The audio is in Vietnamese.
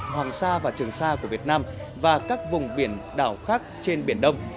hoàng sa và trường sa của việt nam và các vùng biển đảo khác trên biển đông